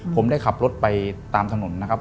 ผมได้ขับรถไปตามถนนนะครับ